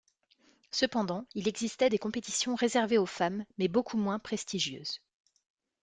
Cependant, il existait des compétitions réservées aux femmes mais beaucoup moins prestigieuses.